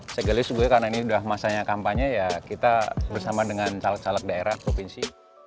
sekali sebenarnya karena ini sudah masanya kampanye ya kita bersama dengan caleg caleg daerah provinsi